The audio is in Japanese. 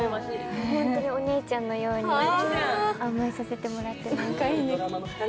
本当にお姉ちゃんのようにさせてもらっています。